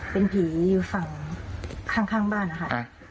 เป็นผีอยู่ฝั่งข้างบ้านนะคะ